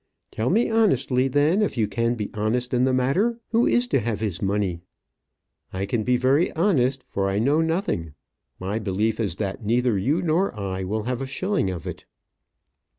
"Tell me honestly, then, if you can be honest in the matter, who is to have his money?" "I can be very honest, for I know nothing. My belief is that neither you nor I will have a shilling of it."